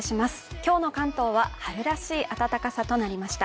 今日の関東は春らしい暖かさとなりました。